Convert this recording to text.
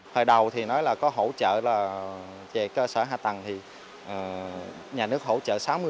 thời đầu thì nói là có hỗ trợ là về cơ sở hạ tầng thì nhà nước hỗ trợ sáu mươi